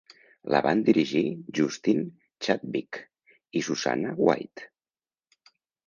La van dirigir Justin Chadwick i Susanna White.